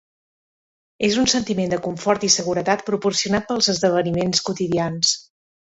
És un sentiment de confort i seguretat proporcionat pels esdeveniments quotidians.